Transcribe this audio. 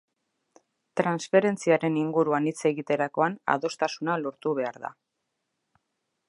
Transferentzien inguruan hitz egiterakoan adostasuna lortu behar da.